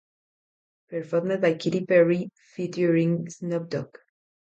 Performed by Katy Perry featuring Snoop Dogg.